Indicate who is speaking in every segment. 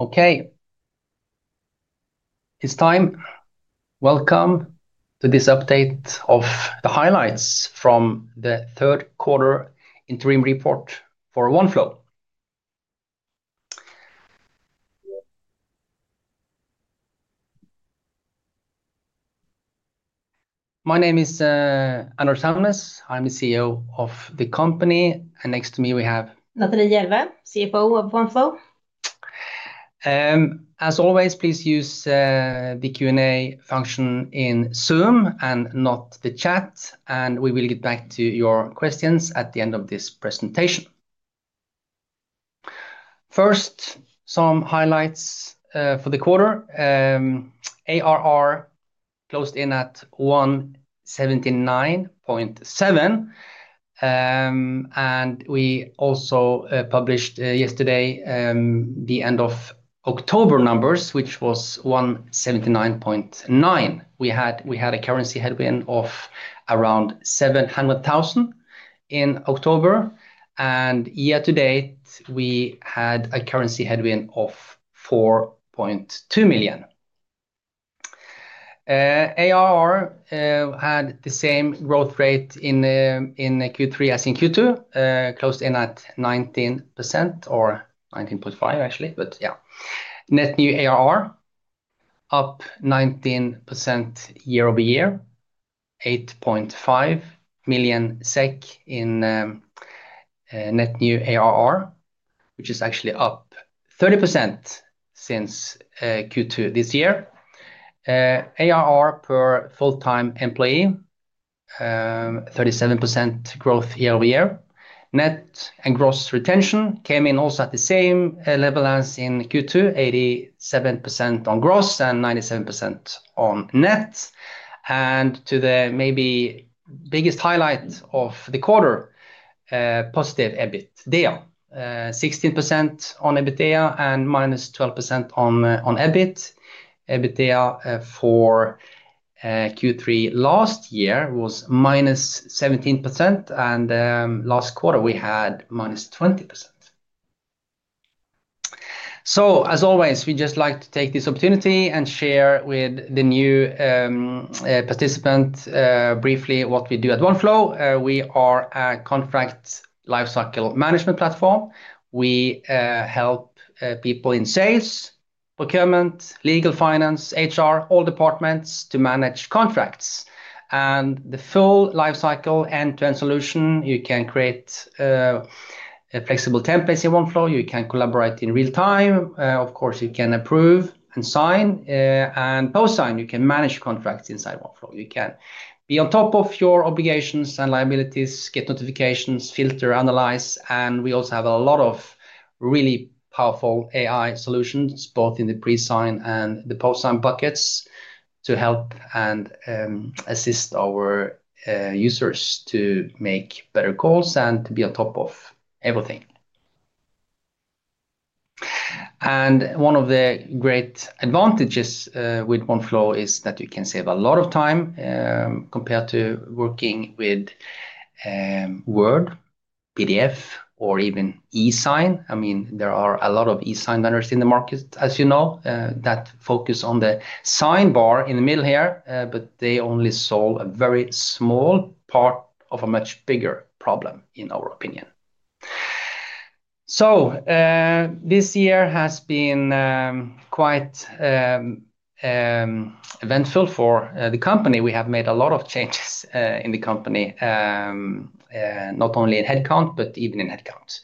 Speaker 1: Okay. It's time. Welcome to this update of the highlights from the third quarter interim report for Oneflow. My name is Anders Hamnes. I'm the CEO of the company, and next to me we have.
Speaker 2: Natalie Jelveh, CFO of Oneflow.
Speaker 1: As always, please use the Q&A function in Zoom and not the chat, and we will get back to your questions at the end of this presentation. First, some highlights for the quarter. ARR closed in at 179.7 million, and we also published yesterday the end-of-October numbers, which was 179.9 million. We had a currency headwind of around 700,000 in October, and year-to-date we had a currency headwind of 4.2 million. ARR had the same growth rate in Q3 as in Q2, closed in at 19% or 19.5%, actually, but yeah. Net new ARR up 19% year-over-year, SEK 8.5 million in net new ARR, which is actually up 30% since Q2 this year. ARR per full-time employee, 37% growth year-over-year. Net and gross retention came in also at the same level as in Q2, 87% on gross and 97% on net. To the maybe biggest highlight of the quarter, positive EBITDA, 16% on EBITDA and -12% on EBIT. EBITDA for Q3 last year was -17%, and last quarter we had -20%. As always, we'd just like to take this opportunity and share with the new participant briefly what we do at Oneflow. We are a contract lifecycle management platform. We help people in sales, procurement, legal, finance, HR, all departments to manage contracts. The full lifecycle end-to-end solution, you can create flexible templates in Oneflow, you can collaborate in real time, of course you can approve and sign and post-sign, you can manage contracts inside Oneflow. You can be on top of your obligations and liabilities, get notifications, filter, analyze, and we also have a lot of really powerful AI solutions both in the pre-sign and the post-sign buckets to help and assist our users to make better calls and to be on top of everything. One of the great advantages with Oneflow is that you can save a lot of time compared to working with Word, PDF, or even e-sign. I mean, there are a lot of e-sign vendors in the market, as you know, that focus on the sign bar in the middle here, but they only solve a very small part of a much bigger problem, in our opinion. This year has been quite eventful for the company. We have made a lot of changes in the company, not only in headcount but even in headcount.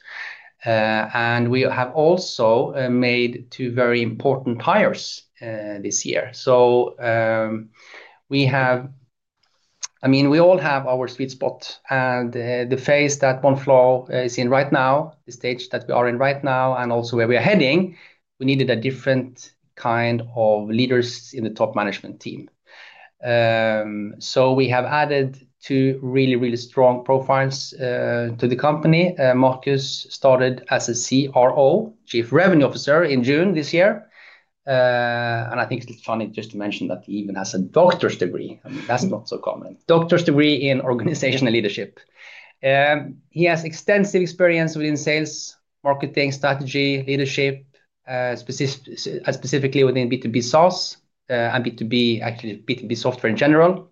Speaker 1: We have also made two very important hires this year. We all have our sweet spot, and the phase that Oneflow is in right now, the stage that we are in right now, and also where we are heading, we needed a different kind of leaders in the top management team. We have added two really, really strong profiles to the company. Marcus started as Chief Revenue Officer in June this year, and I think it's funny just to mention that he even has a doctor's degree. I mean, that's not so common, a doctor's degree in organizational leadership. He has extensive experience within sales, marketing, strategy, leadership, specifically within B2B SaaS and B2B, actually B2B software in general.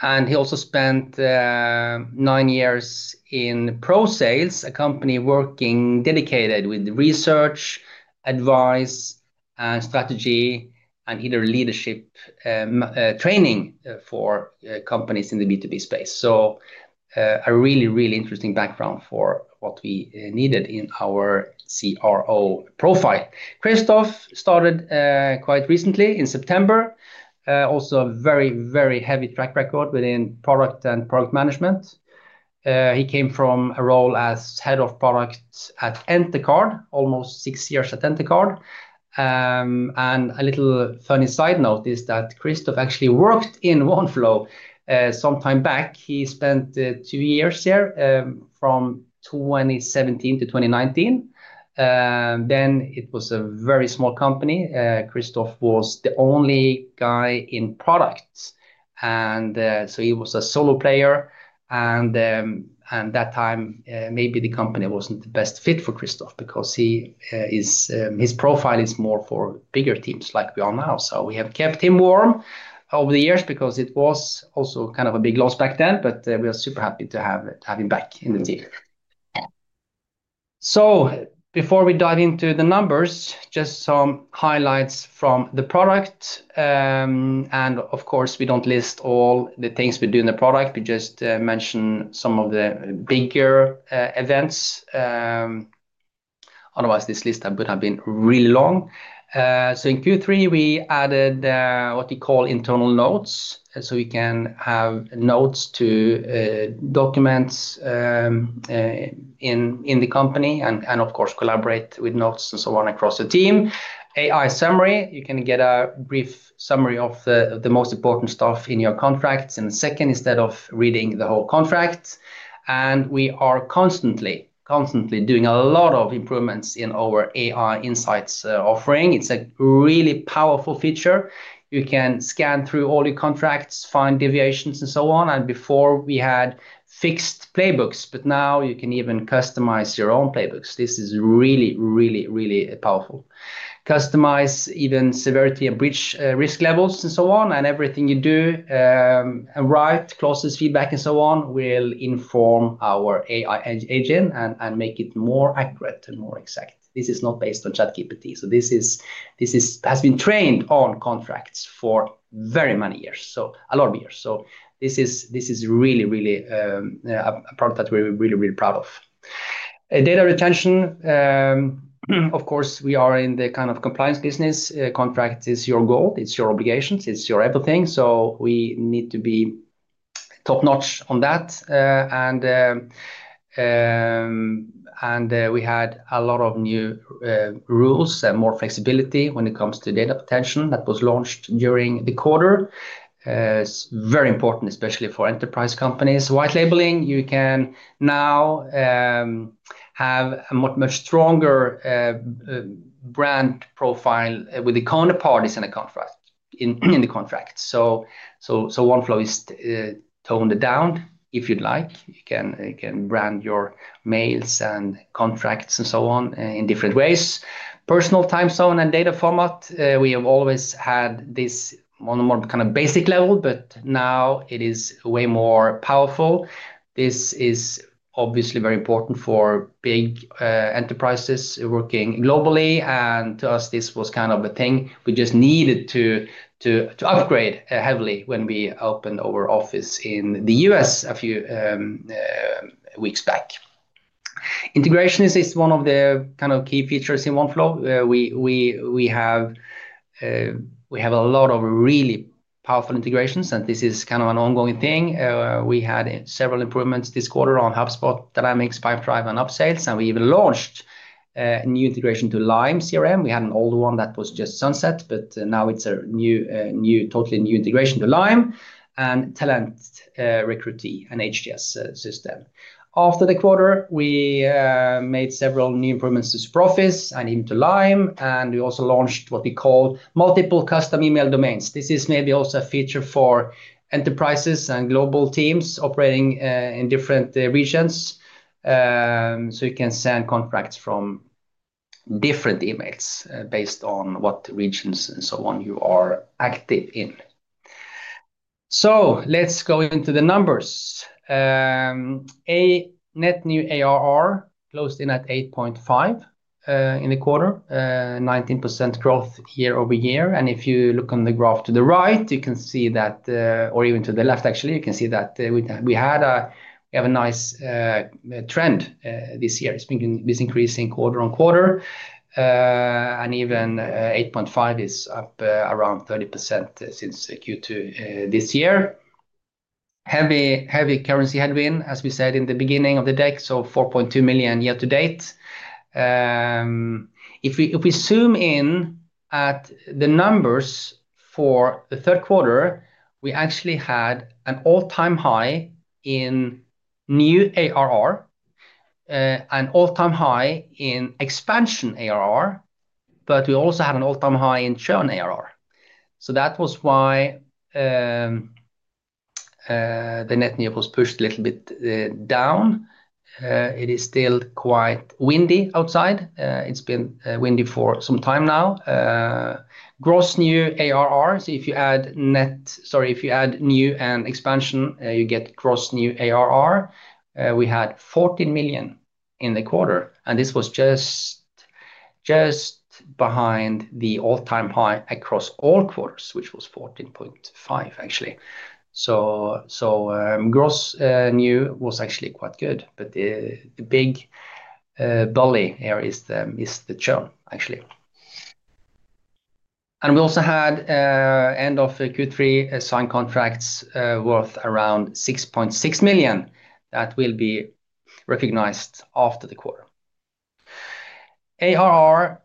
Speaker 1: He also spent nine years in ProSales, a company working dedicated with research, advice, and strategy, and either leadership training for companies in the B2B space. A really, really interesting background for what we needed in our CRO profile. Christoph started quite recently in September, also a very, very heavy track record within product and product management. He came from a role as Head of Product at Entercard, almost six years at Entercard. A little funny side note is that Christoph actually worked in Oneflow sometime back. He spent two years there from 2017-2019. At that time, it was a very small company. Christoph was the only guy in product, and he was a solo player. At that time, maybe the company was not the best fit for Christoph because his profile is more for bigger teams like we are now. We have kept him warm over the years because it was also kind of a big loss back then, but we are super happy to have him back in the team. Before we dive into the numbers, just some highlights from the product. Of course, we do not list all the things we do in the product. We just mention some of the bigger events. Otherwise, this list would have been really long. In Q3, we added what we call internal notes, so we can have notes to document in the company and, of course, collaborate with notes and so on across the team. AI summary, you can get a brief summary of the most important stuff in your contracts in a second instead of reading the whole contract. We are constantly, constantly doing a lot of improvements in our AI insights offering. It's a really powerful feature. You can scan through all your contracts, find deviations, and so on. Before, we had fixed playbooks, but now you can even customize your own playbooks. This is really, really powerful. Customize even severity and breach risk levels and so on, and everything you do, write, closes, feedback, and so on will inform our AI agent and make it more accurate and more exact. This is not based on ChatGPT, so this has been trained on contracts for very many years, a lot of years. This is really, really a product that we're really, really proud of. Data retention, of course, we are in the kind of compliance business. Contract is your goal, it's your obligations, it's your everything, so we need to be top-notch on that. We had a lot of new rules and more flexibility when it comes to data retention that was launched during the quarter. It is very important, especially for enterprise companies. White labeling, you can now have a much stronger brand profile with the counterparties in the contract. Oneflow is toned down. If you'd like, you can brand your mails and contracts and so on in different ways. Personal time zone and data format, we have always had this on a more kind of basic level, but now it is way more powerful. This is obviously very important for big enterprises working globally, and to us, this was kind of a thing we just needed to upgrade heavily when we opened our office in the U.S. a few weeks back. Integrations is one of the kind of key features in Oneflow. We have a lot of really powerful integrations, and this is kind of an ongoing thing. We had several improvements this quarter on HubSpot, Dynamics, Pipedrive, and Upsales, and we even launched a new integration to Lime CRM. We had an old one that was just sunset, but now it's a new, totally new integration to Lime and Talent Recruitee, an ATS system. After the quarter, we made several new improvements to SuperOffice and even to Lime, and we also launched what we call multiple custom email domains. This is maybe also a feature for enterprises and global teams operating in different regions, so you can send contracts from different emails based on what regions and so on you are active in. Let's go into the numbers. Net new ARR closed in at 8.5 million in the quarter, 19% growth year-over-year. If you look on the graph to the right, you can see that, or even to the left, actually, you can see that we have a nice trend this year. It has been increasing quarter on quarter, and even 8.5 is up around 30% since Q2 this year. Heavy currency headwind, as we said in the beginning of the deck, so 4.2 million year-to-date. If we zoom in at the numbers for the third quarter, we actually had an all-time high in new ARR, an all-time high in expansion ARR, but we also had an all-time high in churn ARR. That was why the net new was pushed a little bit down. It is still quite windy outside. It has been windy for some time now. Gross new ARR, so if you add net, sorry, if you add new and expansion, you get gross new ARR. We had 14 million in the quarter, and this was just behind the all-time high across all quarters, which was 14.5 million, actually. Gross new was actually quite good, but the big bully here is the churn, actually. We also had end-of-Q3 signed contracts worth around 6.6 million that will be recognized after the quarter. ARR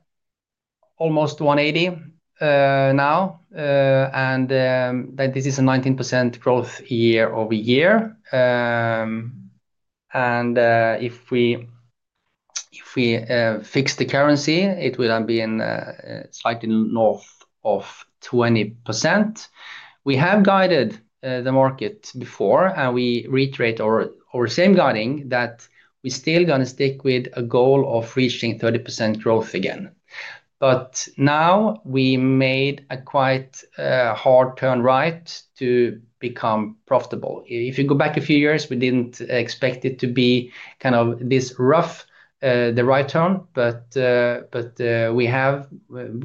Speaker 1: almost 180 million now, and this is a 19% growth year-over-year. If we fix the currency, it would have been slightly north of 20%. We have guided the market before, and we reiterate our same guiding that we're still going to stick with a goal of reaching 30% growth again. Now we made a quite hard turn right to become profitable. If you go back a few years, we did not expect it to be kind of this rough, the right turn, but we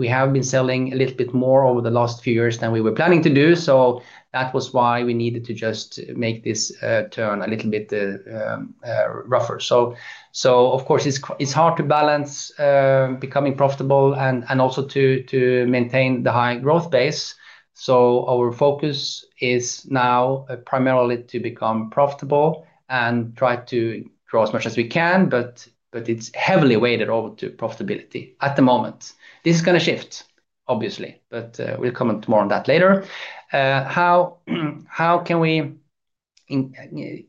Speaker 1: have been selling a little bit more over the last few years than we were planning to do, so that was why we needed to just make this turn a little bit rougher. Of course, it is hard to balance becoming profitable and also to maintain the high growth base. Our focus is now primarily to become profitable and try to grow as much as we can, but it is heavily weighted over to profitability at the moment. This is going to shift, obviously, but we will comment more on that later. How can we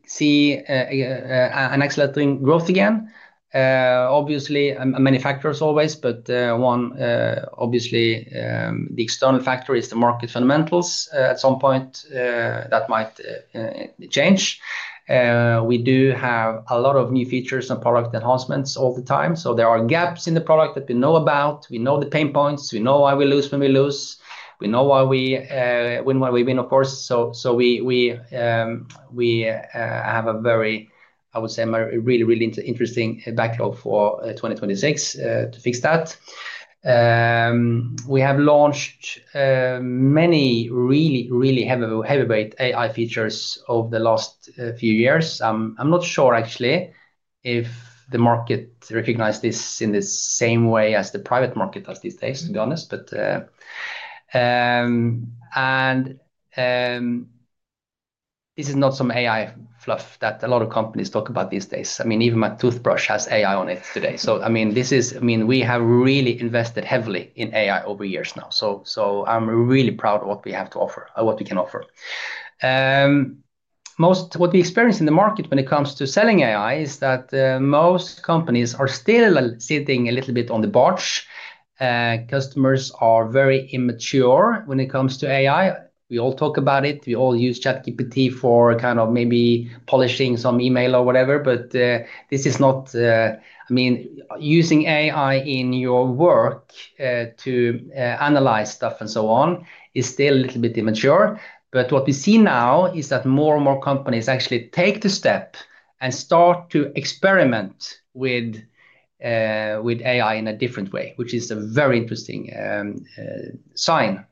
Speaker 1: see an accelerating growth again? Obviously, many factors always, but one, obviously, the external factor is the market fundamentals. At some point, that might change. We do have a lot of new features and product enhancements all the time, so there are gaps in the product that we know about. We know the pain points. We know why we lose when we lose. We know why we win when we win, of course. We have a very, I would say, really, really interesting backlog for 2026 to fix that. We have launched many really, really heavyweight AI features over the last few years. I'm not sure, actually, if the market recognizes this in the same way as the private market does these days, to be honest. This is not some AI fluff that a lot of companies talk about these days. I mean, even my toothbrush has AI on it today. I mean, we have really invested heavily in AI over years now. I'm really proud of what we have to offer, what we can offer. Most what we experience in the market when it comes to selling AI is that most companies are still sitting a little bit on the botch. Customers are very immature when it comes to AI. We all talk about it. We all use ChatGPT for kind of maybe polishing some email or whatever, but this is not, I mean, using AI in your work to analyze stuff and so on is still a little bit immature. What we see now is that more and more companies actually take the step and start to experiment with AI in a different way, which is a very interesting sign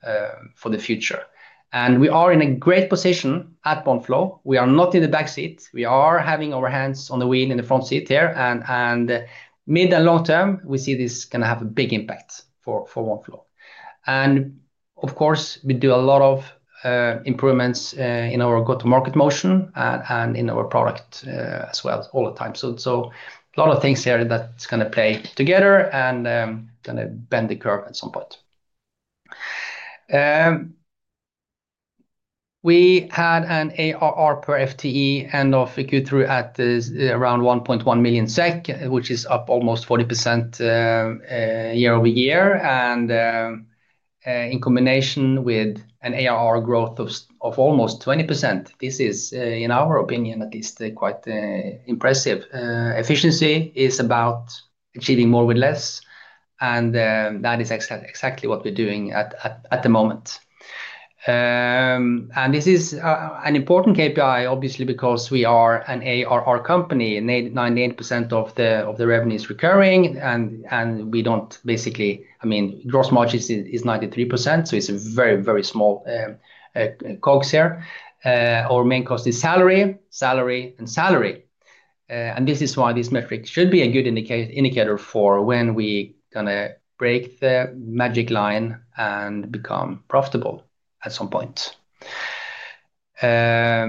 Speaker 1: for the future. We are in a great position at Oneflow. We are not in the backseat. We are having our hands on the wheel in the front seat here, and mid and long term, we see this can have a big impact for Oneflow. Of course, we do a lot of improvements in our go-to-market motion and in our product as well all the time. A lot of things here are going to play together and going to bend the curve at some point. We had an ARR per FTE end of Q3 at around 1.1 million SEK, which is up almost 40% year-over-year. In combination with an ARR growth of almost 20%, this is, in our opinion, at least quite impressive. Efficiency is about achieving more with less, and that is exactly what we're doing at the moment. This is an important KPI, obviously, because we are an ARR company. 99% of the revenue is recurring, and we don't basically, I mean, gross margin is 93%, so it's a very, very small cogs here. Our main cost is salary, salary and salary. This is why this metric should be a good indicator for when we're going to break the magic line and become profitable at some point. Yeah.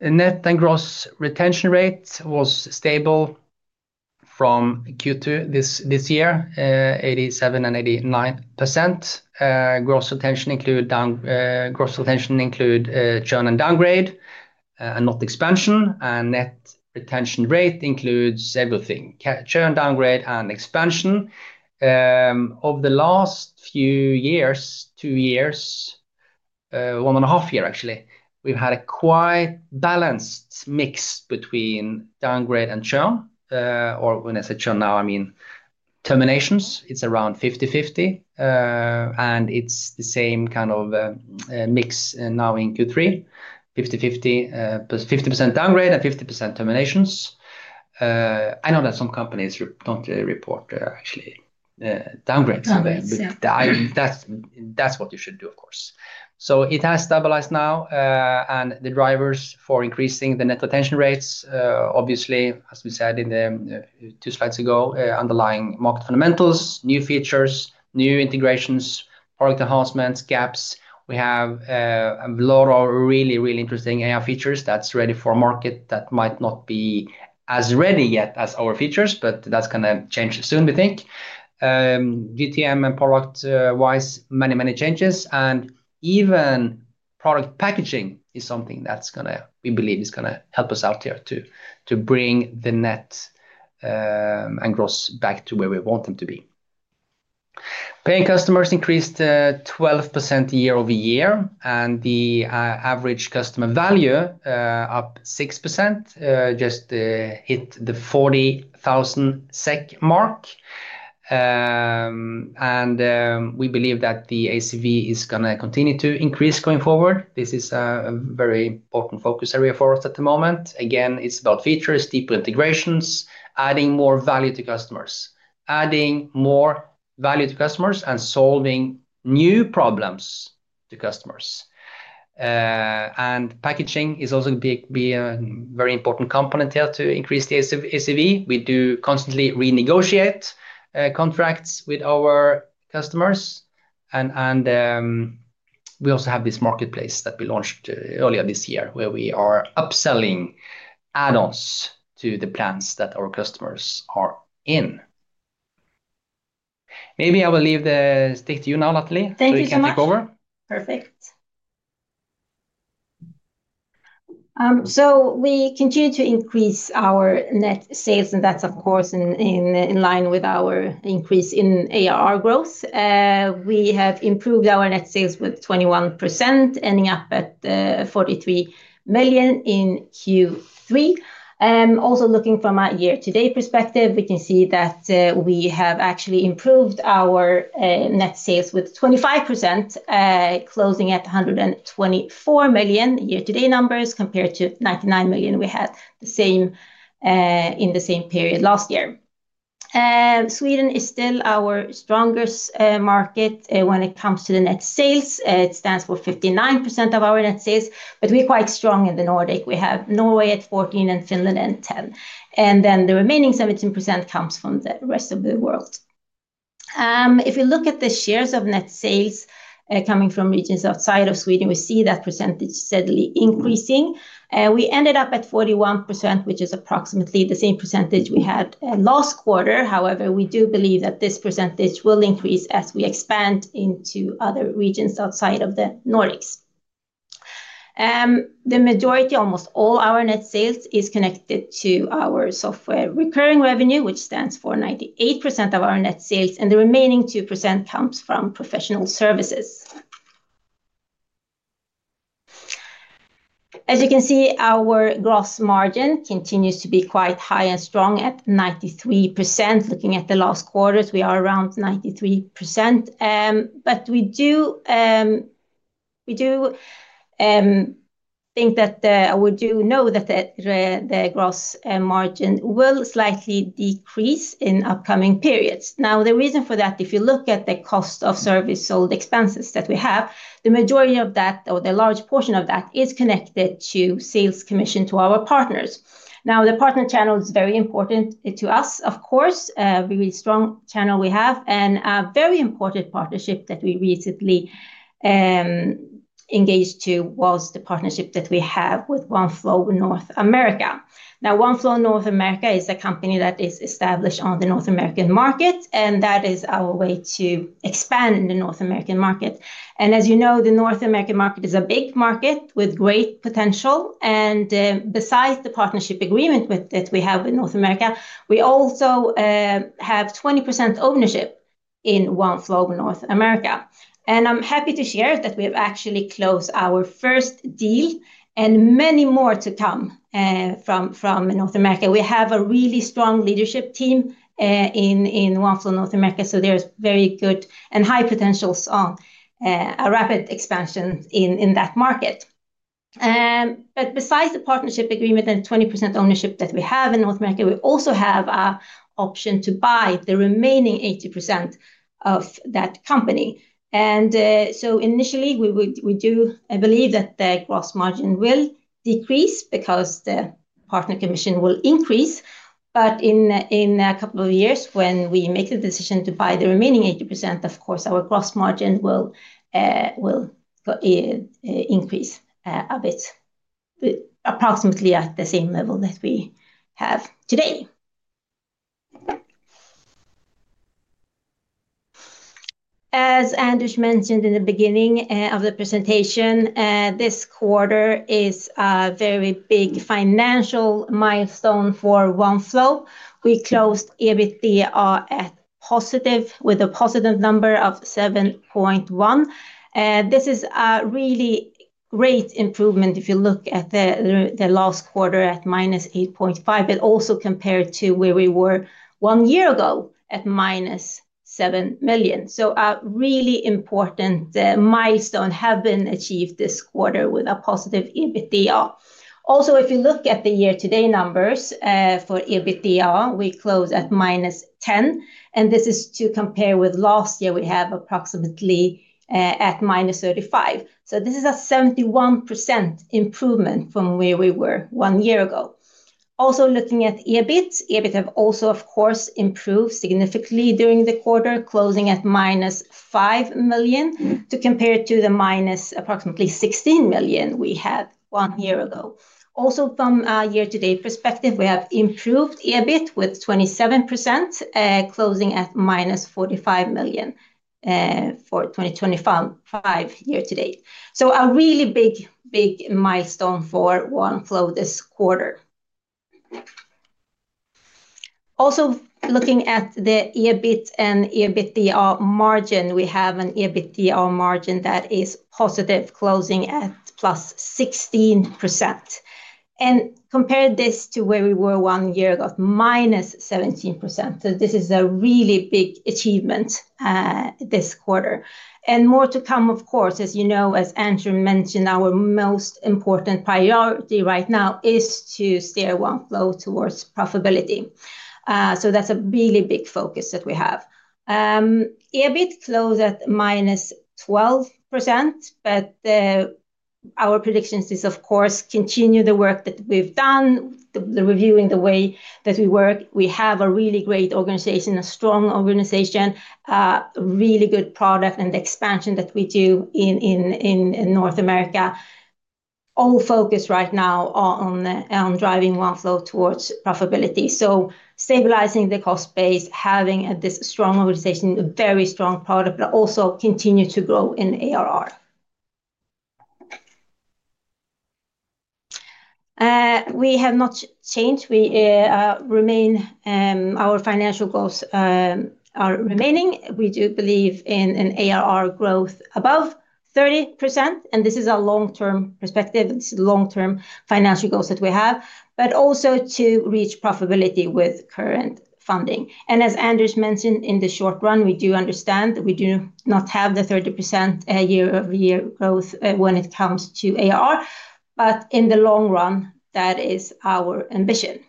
Speaker 1: Net and gross retention rate was stable from Q2 this year, 87% and 89%. Gross retention includes churn and downgrade and not expansion, and net retention rate includes everything, churn, downgrade and expansion. Over the last few years, two years, one and a half year actually, we've had a quite balanced mix between downgrade and churn. Or when I say churn now, I mean terminations. It's around 50-50, and it's the same kind of mix now in Q3, 50-50, 50% downgrade and 50% terminations. I know that some companies do not report actually downgrades, but that is what you should do, of course. It has stabilized now, and the drivers for increasing the net retention rates, obviously, as we said in the two slides ago, underlying market fundamentals, new features, new integrations, product enhancements, gaps. We have a lot of really, really interesting AI features that are ready for market that might not be as ready yet as our features, but that is going to change soon, we think. GTM and product-wise, many, many changes, and even product packaging is something that is going to, we believe, is going to help us out here to bring the net and gross back to where we want them to be. Paying customers increased 12% year-over-year, and the average customer value up 6% just hit the 40,000 SEK mark. We believe that the ACV is going to continue to increase going forward. This is a very important focus area for us at the moment. Again, it is about features, deeper integrations, adding more value to customers, and solving new problems to customers. Packaging is also going to be a very important component here to increase the ACV. We do constantly renegotiate contracts with our customers, and we also have this marketplace that we launched earlier this year where we are upselling add-ons to the plans that our customers are in. Maybe I will leave the stake to you now, Natalie. Take it over.
Speaker 2: Thank you so much. Perfect. We continue to increase our net sales, and that is, of course, in line with our increase in ARR growth. We have improved our net sales with 21%, ending up at 43 million in Q3. Also, looking from a year-to-date perspective, we can see that we have actually improved our net sales with 25%, closing at 124 million year-to-date numbers compared to 99 million we had in the same period last year. Sweden is still our strongest market when it comes to the net sales. It stands for 59% of our net sales, but we're quite strong in the Nordics. We have Norway at 14% and Finland at 10%. The remaining 17% comes from the rest of the world. If we look at the shares of net sales coming from regions outside of Sweden, we see that percentage steadily increasing. We ended up at 41%, which is approximately the same percentage we had last quarter. However, we do believe that this percentage will increase as we expand into other regions outside of the Nordics. The majority, almost all our net sales is connected to our software recurring revenue, which stands for 98% of our net sales, and the remaining 2% comes from professional services. As you can see, our gross margin continues to be quite high and strong at 93%. Looking at the last quarters, we are around 93%, but we do think that we do know that the gross margin will slightly decrease in upcoming periods. Now, the reason for that, if you look at the cost of service sold expenses that we have, the majority of that, or the large portion of that, is connected to sales commission to our partners. Now, the partner channel is very important to us, of course. A really strong channel we have and a very important partnership that we recently engaged to was the partnership that we have with Oneflow North America. Now, Oneflow North America is a company that is established on the North American market, and that is our way to expand in the North American market. As you know, the North American market is a big market with great potential. Besides the partnership agreement that we have with North America, we also have 20% ownership in Oneflow North America. I'm happy to share that we have actually closed our first deal and many more to come from North America. We have a really strong leadership team in Oneflow North America, so there's very good and high potentials on a rapid expansion in that market. Besides the partnership agreement and 20% ownership that we have in North America, we also have an option to buy the remaining 80% of that company. Initially, we do believe that the gross margin will decrease because the partner commission will increase. In a couple of years, when we make the decision to buy the remaining 80%, of course, our gross margin will increase a bit, approximately at the same level that we have today. As Anders mentioned in the beginning of the presentation, this quarter is a very big financial milestone for Oneflow. We closed EBITDA at positive with a positive number of 7.1 million. This is a really great improvement if you look at the last quarter at -8.5 million, but also compared to where we were one year ago at minus 7 million. A really important milestone has been achieved this quarter with a positive EBITDA. Also, if you look at the year-to-date numbers for EBITDA, we closed at minus 10 million, and this is to compare with last year. We have approximately at -35. This is a 71% improvement from where we were one year ago. Also looking at EBIT, EBIT have also, of course, improved significantly during the quarter, closing at -5 million to compare to the -16 million we had one year ago. Also, from a year-to-date perspective, we have improved EBIT with 27%, closing at -45 million for 2025 year-to-date. A really big milestone for Oneflow this quarter. Also looking at the EBIT and EBITDA margin, we have an EBITDA margin that is positive, closing at +16%. Compare this to where we were one year ago, -17%. This is a really big achievement this quarter. More to come, of course, as you know, as Anders mentioned, our most important priority right now is to steer Oneflow towards profitability. That's a really big focus that we have. EBIT closed at -12%, but our prediction is, of course, continue the work that we've done, the reviewing the way that we work. We have a really great organization, a strong organization, a really good product and the expansion that we do in North America, all focused right now on driving Oneflow towards profitability. Stabilizing the cost base, having this strong organization, a very strong product, but also continue to grow in ARR. We have not changed. Our financial goals are remaining. We do believe in an ARR growth above 30%, and this is a long-term perspective. This is long-term financial goals that we have, but also to reach profitability with current funding. As Anders mentioned, in the short run, we do understand that we do not have the 30% year-over-year growth when it comes to ARR, but in the long run, that is our ambition.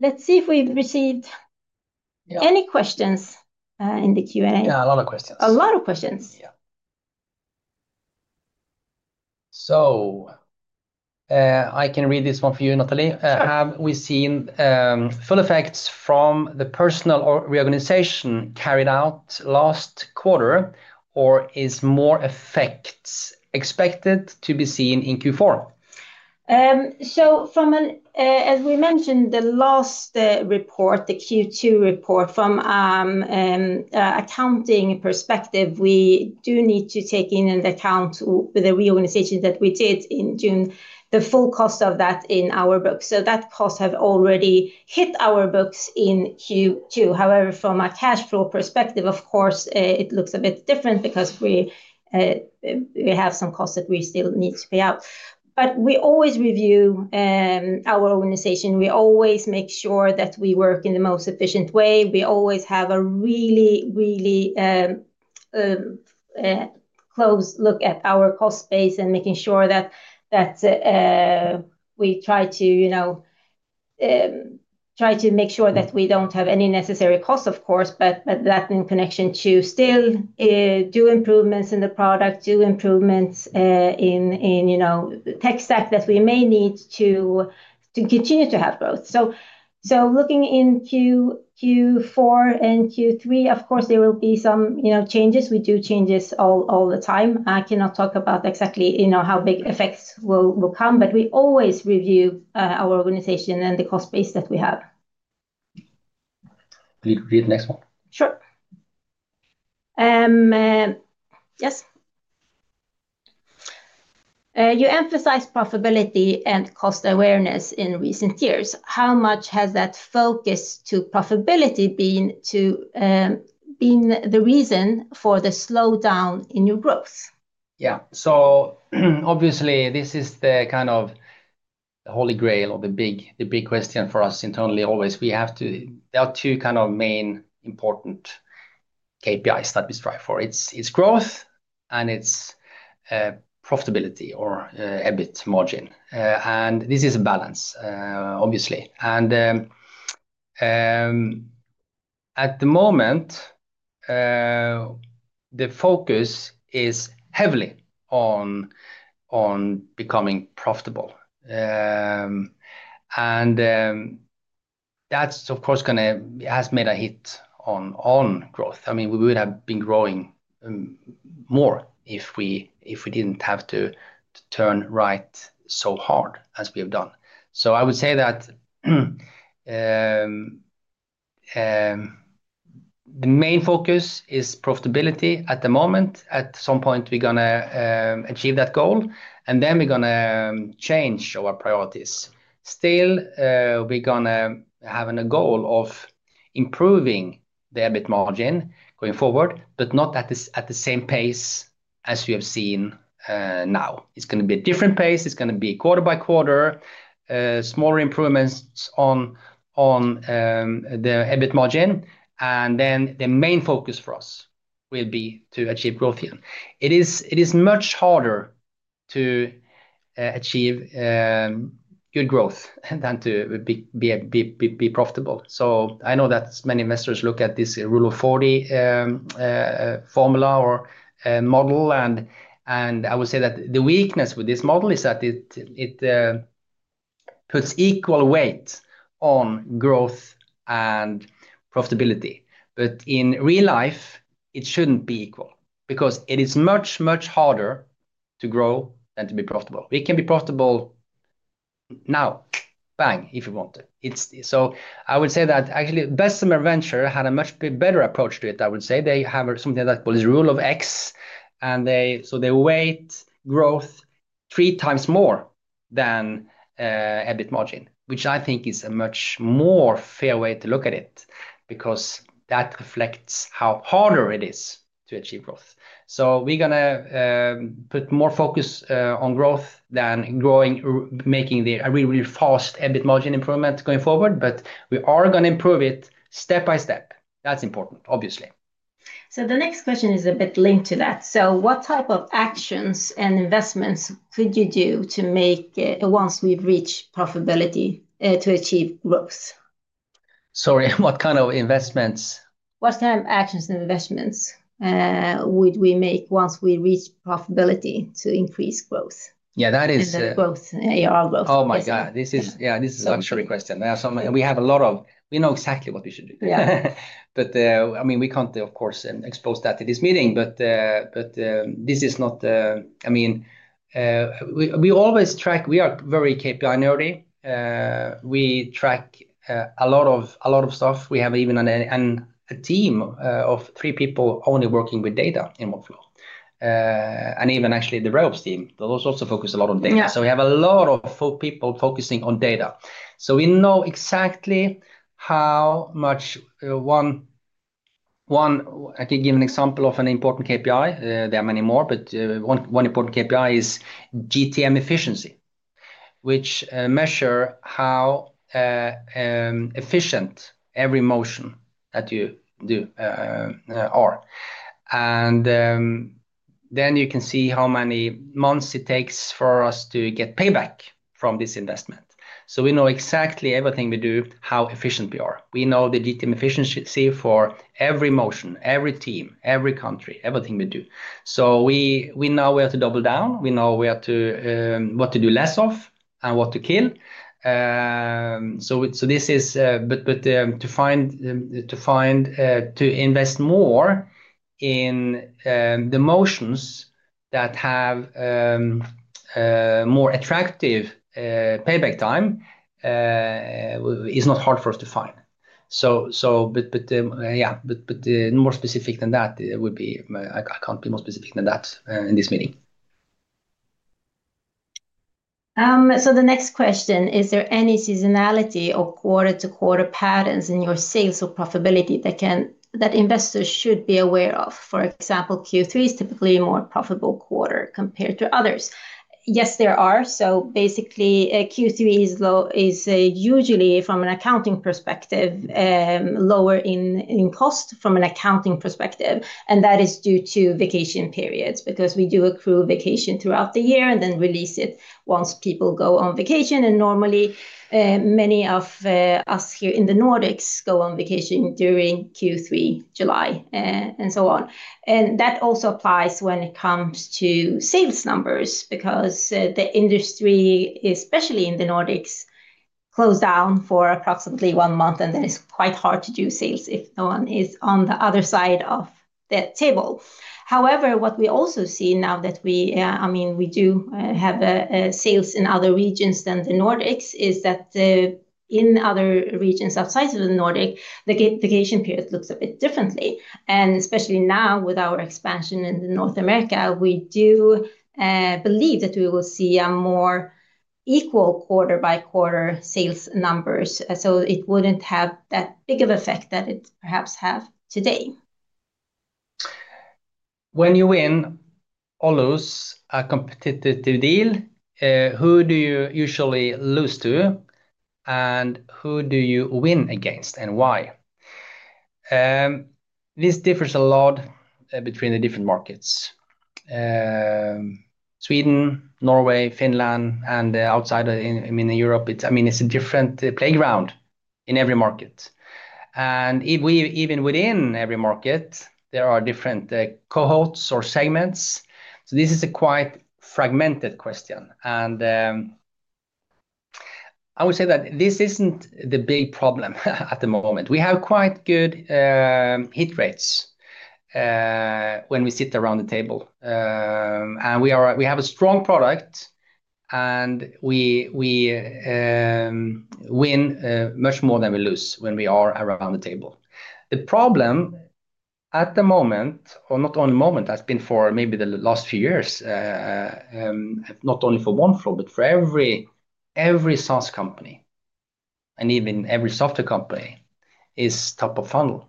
Speaker 2: Let's see if we've received any questions in the Q&A.
Speaker 1: Yeah, a lot of questions.
Speaker 2: A lot of questions.
Speaker 1: Yeah. I can read this one for you, Natalie. Have we seen full effects from the personal reorganization carried out last quarter, or is more effects expected to be seen in Q4?
Speaker 2: As we mentioned in the last report, the Q2 report, from an accounting perspective, we do need to take into account the reorganization that we did in June, the full cost of that in our books. That cost has already hit our books in Q2. However, from a cash flow perspective, of course, it looks a bit different because we have some costs that we still need to pay out. We always review our organization. We always make sure that we work in the most efficient way. We always have a really, really close look at our cost base and make sure that we try to make sure that we do not have any necessary costs, of course, but that in connection to still do improvements in the product, do improvements in tech stack that we may need to continue to have growth. Looking into Q4 and Q3, of course, there will be some changes. We do changes all the time. I cannot talk about exactly how big effects will come, but we always review our organization and the cost base that we have. Can you read the next one? Sure. Yes. You emphasized profitability and cost awareness in recent years. How much has that focus to profitability been the reason for the slowdown in your growth?
Speaker 1: Yeah. Obviously, this is kind of the Holy Grail or the big question for us internally always. We have to, there are two kind of main important KPIs that we strive for. It's growth and it's profitability or EBIT margin. This is a balance, obviously. At the moment, the focus is heavily on becoming profitable. That's, of course, going to, has made a hit on growth. I mean, we would have been growing more if we didn't have to turn right so hard as we have done. I would say that the main focus is profitability at the moment. At some point, we're going to achieve that goal, and then we're going to change our priorities. Still, we're going to have a goal of improving the EBIT margin going forward, but not at the same pace as we have seen now. It's going to be a different pace. It's going to be quarter by quarter, smaller improvements on the EBIT margin. The main focus for us will be to achieve growth here. It is much harder to achieve good growth than to be profitable. I know that many investors look at this Rule of 40 formula or model. I would say that the weakness with this model is that it puts equal weight on growth and profitability. In real life, it shouldn't be equal because it is much, much harder to grow than to be profitable. We can be profitable now, bang, if you want to. I would say that actually Bessemer Venture Partners had a much better approach to it, I would say. They have something that's called the Rule of X. They weight growth three times more than EBIT margin, which I think is a much more fair way to look at it because that reflects how harder it is to achieve growth. We're going to put more focus on growth than making a really, really fast EBIT margin improvement going forward, but we are going to improve it step by step. That's important, obviously.
Speaker 2: The next question is a bit linked to that. What type of actions and investments could you do once we've reached profitability to achieve growth?.
Speaker 1: Sorry, what kind of investments?
Speaker 2: What kind of actions and investments would we make once we reach profitability to increase growth?
Speaker 1: Yeah, that is.
Speaker 2: Growth, ARR growth.
Speaker 1: Oh my God. This is, yeah, this is a luxury question. We have a lot of, we know exactly what we should do. I mean, we can't, of course, expose that to this meeting. This is not, I mean, we always track, we are very KPI nerdy. We track a lot of stuff. We have even a team of three people only working with data in Oneflow. Even actually the Rhodes Team, those also focus a lot on data. We have a lot of people focusing on data. We know exactly how much one, I can give an example of an important KPI. There are many more, but one important KPI is GTM efficiency, which measures how efficient every motion that you do are. You can see how many months it takes for us to get payback from this investment. We know exactly everything we do, how efficient we are. We know the GTM efficiency for every motion, every team, every country, everything we do. We know where to double down. We know what to do less of and what to kill. To find, to invest more in the motions that have more attractive payback time is not hard for us to find. More specific than that, it would be, I can't be more specific than that in this meeting.
Speaker 2: The next question, is there any seasonality or quarter-to-quarter patterns in your sales or profitability that investors should be aware of? For example, Q3 is typically a more profitable quarter compared to others. Yes, there are. Basically, Q3 is usually from an accounting perspective, lower in cost from an accounting perspective. That is due to vacation periods because we do accrue vacation throughout the year and then release it once people go on vacation. Normally, many of us here in the Nordics go on vacation during Q3, July and so on. That also applies when it comes to sales numbers because the industry, especially in the Nordics, closes down for approximately one month, and then it is quite hard to do sales if no one is on the other side of the table. However, what we also see now, I mean, we do have sales in other regions than the Nordics, is that in other regions outside of the Nordics, the vacation period looks a bit different. Especially now with our expansion in North America, we do believe that we will see more equal quarter-by-quarter sales numbers. It would not have that big of an effect that it perhaps has today.
Speaker 1: When you win or lose a competitive deal, who do you usually lose to and who do you win against and why? This differs a lot between the different markets. Sweden, Norway, Finland, and outside of, I mean, Europe, I mean, it is a different playground in every market. And even within every market, there are different cohorts or segments. This is a quite fragmented question. I would say that this is not the big problem at the moment. We have quite good hit rates when we sit around the table. We have a strong product, and we win much more than we lose when we are around the table. The problem at the moment, or not only moment, has been for maybe the last few years, not only for Oneflow, but for every SaaS company and even every software company is top of funnel.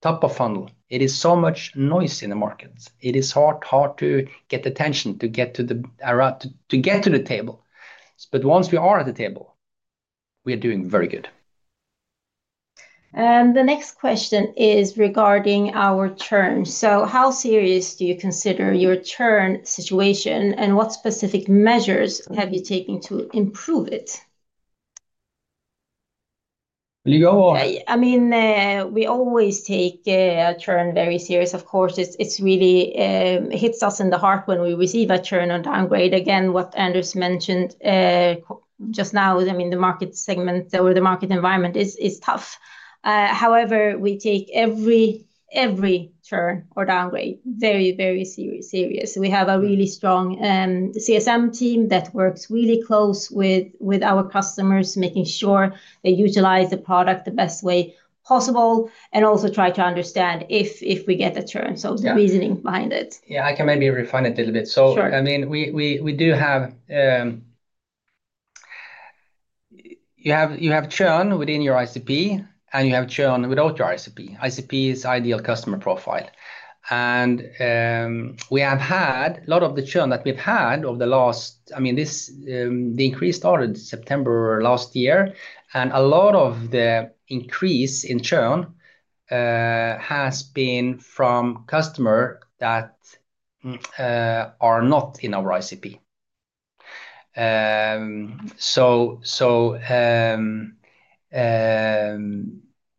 Speaker 1: Top of funnel. It is so much noise in the markets. It is hard to get attention to get to the table. Once we are at the table, we are doing very good.
Speaker 2: The next question is regarding our churn. How serious do you consider your churn situation, and what specific measures have you taken to improve it?
Speaker 1: Will you go or?
Speaker 2: I mean, we always take churn very serious. Of course, it really hits us in the heart when we receive a churn or downgrade. Again, what Anders mentioned just now, I mean, the market segment or the market environment is tough. However, we take every churn or downgrade very, very serious. We have a really strong CSM team that works really close with our customers, making sure they utilize the product the best way possible and also try to understand if we get a churn, the reasoning behind it.
Speaker 1: Yeah, I can maybe refine it a little bit. I mean, we do have, you have churn within your ICP, and you have churn without your ICP. ICP is ideal customer profile. We have had a lot of the churn that we've had over the last, I mean, the increase started September last year, and a lot of the increase in churn has been from customers that are not in our ICP.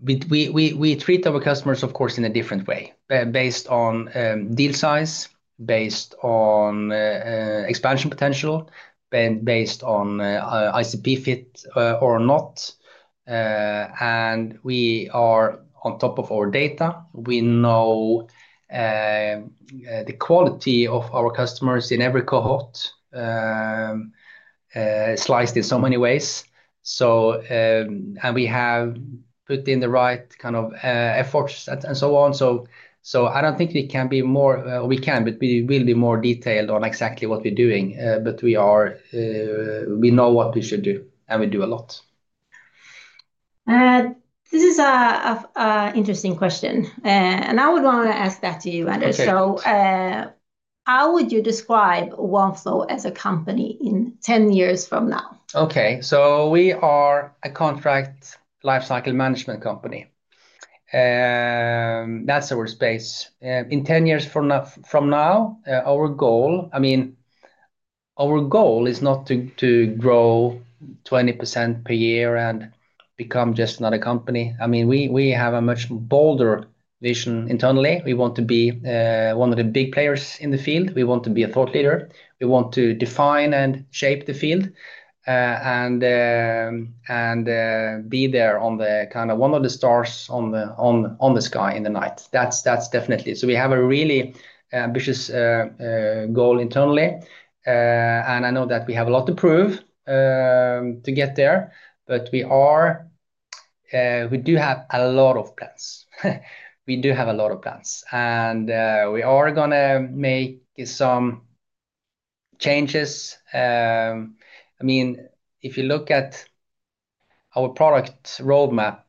Speaker 1: We treat our customers, of course, in a different way based on deal size, based on expansion potential, based on ICP fit or not. We are on top of our data. We know the quality of our customers in every cohort, sliced in so many ways. We have put in the right kind of efforts and so on. I do not think we can be more, or we can, but we will be more detailed on exactly what we are doing. We know what we should do, and we do a lot.
Speaker 2: This is an interesting question. I would want to ask that to you, Anders. How would you describe Oneflow as a company in 10 years from now?
Speaker 1: Okay. We are a contract lifecycle management company. That is our space. In 10 years from now, our goal, I mean, our goal is not to grow 20% per year and become just another company. I mean, we have a much bolder vision internally. We want to be one of the big players in the field. We want to be a thought leader. We want to define and shape the field and be there on the kind of one of the stars on the sky in the night. That is definitely. We have a really ambitious goal internally. I know that we have a lot to prove to get there, but we do have a lot of plans. We do have a lot of plans. We are going to make some changes. I mean, if you look at our product roadmap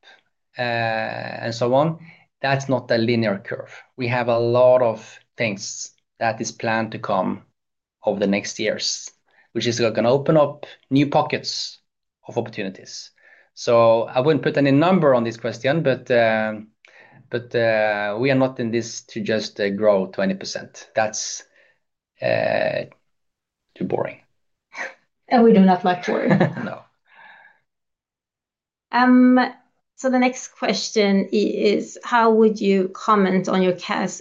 Speaker 1: and so on, that is not a linear curve. We have a lot of things that are planned to come over the next years, which is going to open up new pockets of opportunities. I would not put any number on this question, but we are not in this to just grow 20%. That is too boring.
Speaker 2: We do not like boring.
Speaker 1: No.
Speaker 2: The next question is, how would you comment on your cash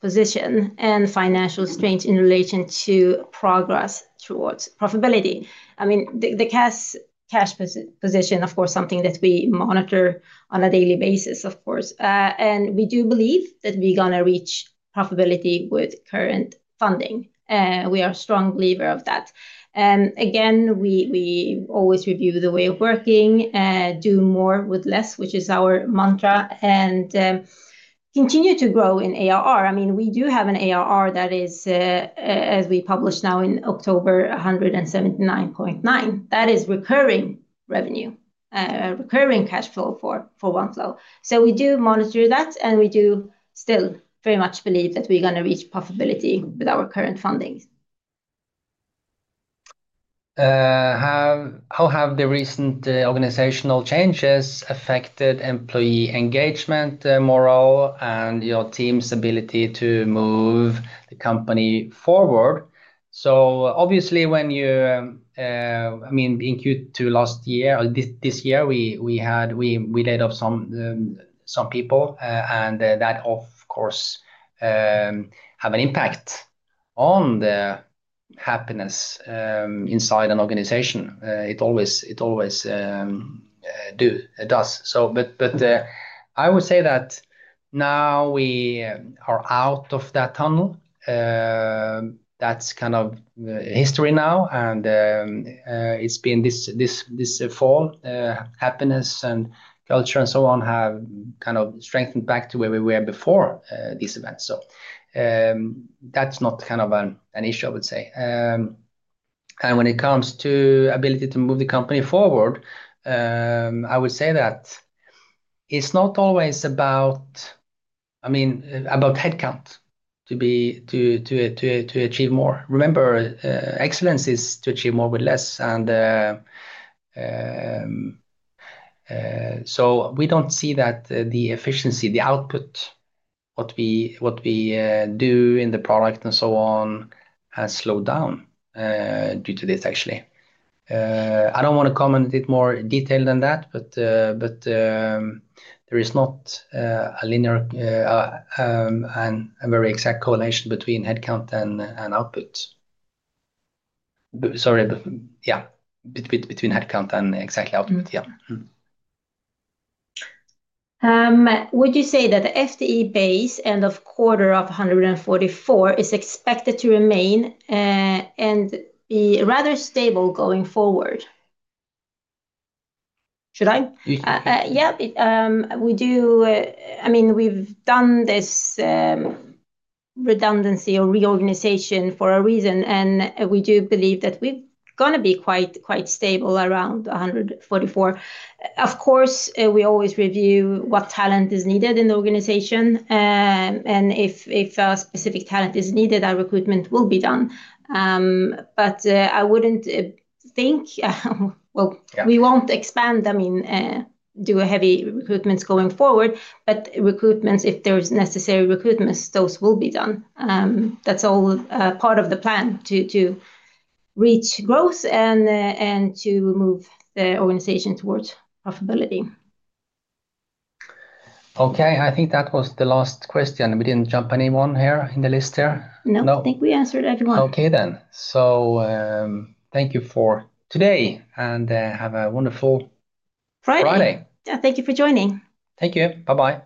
Speaker 2: position and financial strength in relation to progress towards profitability? I mean, the cash position, of course, is something that we monitor on a daily basis, of course. We do believe that we're going to reach profitability with current funding. We are strong believers of that. Again, we always review the way of working, do more with less, which is our mantra, and continue to grow in ARR. I mean, we do have an ARR that is, as we published now in October, 179.9 million. That is recurring revenue, recurring cash flow for Oneflow. We do monitor that, and we do still very much believe that we're going to reach profitability with our current funding.
Speaker 1: How have the recent organizational changes affected employee engagement, morale, and your team's ability to move the company forward? Obviously, when you, I mean, in Q2 last year or this year, we laid off some people, and that, of course, has an impact on the happiness inside an organization. It always does. I would say that now we are out of that tunnel. That is kind of history now, and it has been this fall. Happiness and culture and so on have kind of strengthened back to where we were before these events. That is not kind of an issue, I would say. When it comes to the ability to move the company forward, I would say that it is not always about, I mean, about headcount to achieve more. Remember, excellence is to achieve more with less. We do not see that the efficiency, the output, what we do in the product and so on has slowed down due to this, actually. I do not want to comment a bit more detailed than that, but there is not a linear and very exact correlation between headcount and output. Sorry, yeah, between headcount and exactly output, yeah.
Speaker 2: Would you say that the FTE base end of quarter of 144 is expected to remain and be rather stable going forward? Should I? Yeah. I mean, we have done this redundancy or reorganization for a reason, and we do believe that we are going to be quite stable around 144. Of course, we always review what talent is needed in the organization. If a specific talent is needed, our recruitment will be done. I would not think, I mean, we will not expand, I mean, do heavy recruitments going forward, but recruitments, if there are necessary recruitments, those will be done. That is all part of the plan to reach growth and to move the organization towards profitability.
Speaker 1: Okay. I think that was the last question. We did not jump anyone here in the list here.
Speaker 2: No. I think we answered everyone.
Speaker 1: Okay then. Thank you for today and have a wonderful Friday.
Speaker 2: Friday. Thank you for joining.
Speaker 1: Thank you. Bye-bye.